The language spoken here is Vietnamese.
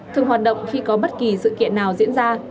thường hoạt động khi có bất kỳ sự kiện nào diễn ra